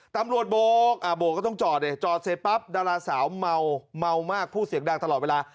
ตำรวจโบ๊กเอ่อโ่ก็ต้องจอดเนี่ยจอดเสร็จปั๊บดาราสาวเมามากพูดเสียงดังตลอดเวลา